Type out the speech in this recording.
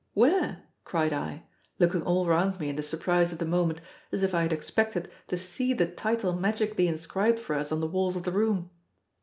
"Where?" cried I, looking all round me in the surprise of the moment, as if I had expected to see the title magically inscribed for us on the walls of the room.